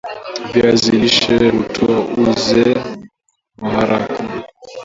viazi lishe hutoa uzee waharaka